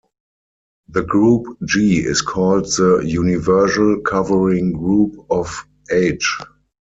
The group "G" is called the "universal covering group" of "H".